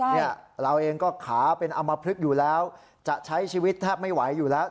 เนี่ยเราเองก็ขาเป็นอำมพลึกอยู่แล้วจะใช้ชีวิตแทบไม่ไหวอยู่แล้ว